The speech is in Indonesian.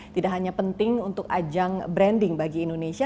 tidak hanya penting untuk ajang branding bagi indonesia